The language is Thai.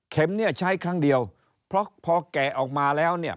เนี่ยใช้ครั้งเดียวเพราะพอแกะออกมาแล้วเนี่ย